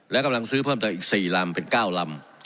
และกำลังซื้อเพิ่มแต่อีกสี่ลำเป็นเก้าลำ